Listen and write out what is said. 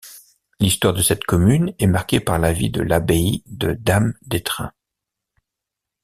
L'histoire de cette commune est marquée par la vie de l'abbaye des Dames d'Étrun.